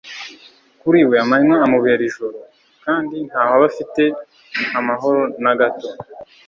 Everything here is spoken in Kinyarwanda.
Kuri we amanywa amubera ijoro kandi ntaho aba afite amahoro na gato.